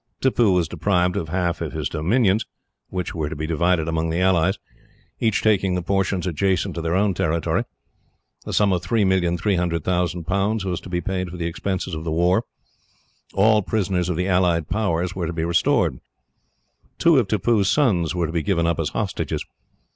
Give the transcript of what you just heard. Tippoo was deprived of half his dominions, which were to be divided among the allies, each taking the portions adjacent to their territory. A sum of 3,300,000 pounds was to be paid for the expenses of the war. All prisoners of the allied powers were to be restored. Two of Tippoo's sons were to be given up as hostages.